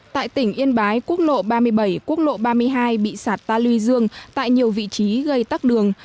tại tỉnh yên bái quốc lộ ba mươi bảy quốc lộ ba mươi hai bị sạt ta luy dương tại nhiều vị trí gây tắc đường